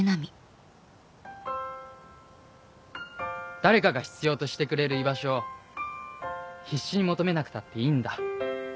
誰かが必要としてくれる居場所を必死に求めなくたっていいんだ。